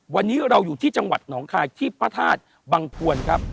วันนี้เราอยู่ที่จังหวัดหนองคายที่พระธาตุบังควรครับ